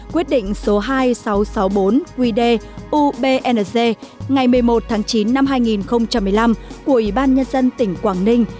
quyết định số hai nghìn sáu trăm sáu mươi bốn qdubng ngày một mươi một tháng chín năm hai nghìn một mươi năm của ủy ban nhân dân tỉnh quảng ninh